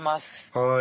はい。